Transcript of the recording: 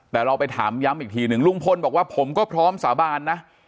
แต่เราไปถามย้ำอีกทีหนึ่งลุงพลบอกว่าผมก็พร้อมสาบานนะ